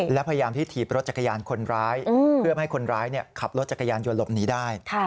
และพยายามที่ถีบรถจักรยานคนร้ายเพื่อไม่ให้คนร้ายขับรถจักรยานยนต์หลบหนีได้